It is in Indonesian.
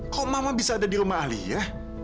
kok mama bisa ada di rumah ali ya